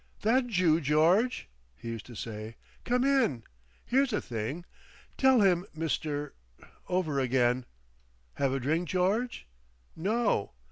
"That'ju, George?" he used to say. "Come in. Here's a thing. Tell him—Mister—over again. Have a drink, George? No!